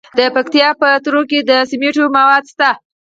د پکتیکا په تروو کې د سمنټو مواد شته.